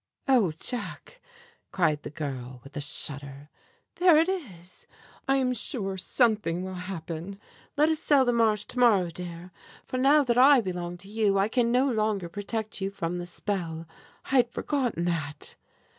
"Oh, Jack," cried the girl, with a shudder, "there it is! I am sure something will happen. Let us sell the Marsh to morrow, dear; for now that I belong to you I can no longer protect you from the spell. I had forgotten that!"